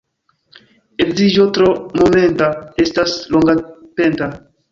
Edziĝo tro momenta estas longapenta.